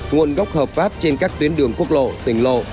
nguồn gốc hợp pháp trên các tuyến đường quốc lộ tỉnh lộ